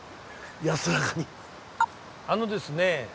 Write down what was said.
あのですね